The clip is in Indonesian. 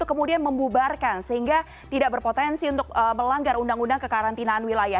kemudian membubarkan sehingga tidak berpotensi untuk melanggar undang undang kekarantinaan wilayah